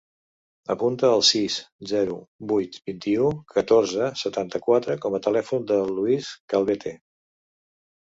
Apunta el sis, zero, vuit, vint-i-u, catorze, setanta-quatre com a telèfon del Luis Calvete.